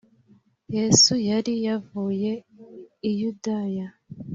Yesu yari yavuye i Yudaya